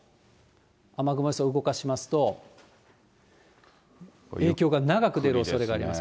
雨雲予想動かしますと、影響が長く出るおそれがあります。